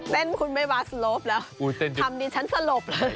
เต้นคุณแม่บ้านสโลปแล้วคำนี้ฉันสโลปเลย